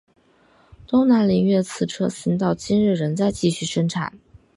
东南菱悦此车型到今日仍在继续生产。